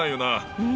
うん。